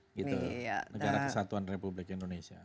negara kesatuan republik indonesia